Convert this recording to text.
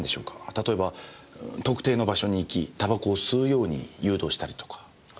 例えば特定の場所に行き煙草を吸うように誘導したりとか。